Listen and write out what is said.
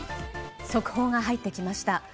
速報が入ってきました。